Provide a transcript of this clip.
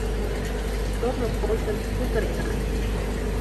Чоным почын кутырена.